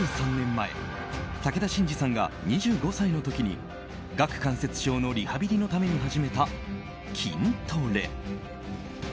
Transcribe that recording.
前武田真治さんが２５歳の時に顎関節症のリハビリのために始めた筋トレ。